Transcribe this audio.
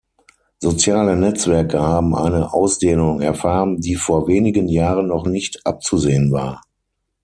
Soziale Netzwerke haben eine Ausdehnung erfahren, die vor wenigen Jahren noch nicht abzusehen war.